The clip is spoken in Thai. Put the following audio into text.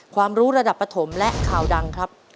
ความรู้ระดับปฐมและข่าวดังครับ